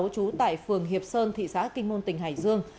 trú tại phường hiệp sơn thị xã kinh môn tỉnh hải dương